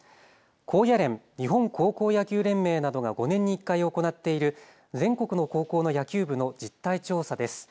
高野連・日本高校野球連盟などが５年に１回、行っている全国の高校の野球部の実態調査です。